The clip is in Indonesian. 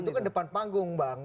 itu kan depan panggung bang